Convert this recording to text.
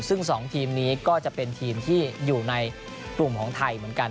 ซึ่ง๒ทีมนี้ก็จะเป็นทีมที่อยู่ในกลุ่มของไทยเหมือนกัน